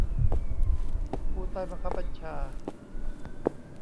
ผู้ใต้บังคับบัญชา